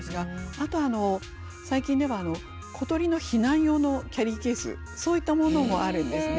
あと最近では小鳥の避難用のキャリーケースそういったものもあるんですね。